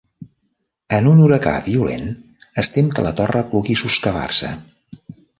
En un huracà violent, es tem que la torre pugui soscavar-se.